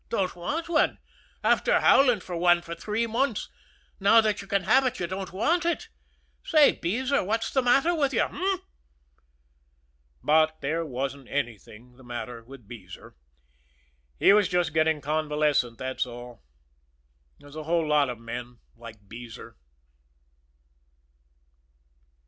"Don't want one! After howling for one for three months, now that you can have it, you don't want it! Say, Beezer, what's the matter with you h'm?" But there wasn't anything the matter with Beezer. He was just getting convalescent, that's all. There's a whole lot of men like Beezer.